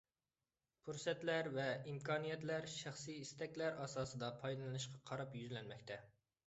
پۇرسەتلەر ۋە ئىمكانىيەتلەر شەخسىي ئىستەكلەر ئاساسىدا پايدىلىنىشقا قاراپ يۈزلەنمەكتە.